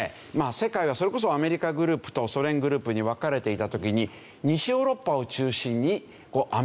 世界はそれこそアメリカグループとソ連グループに分かれていた時に西ヨーロッパを中心にアメリカグループができたわけですね。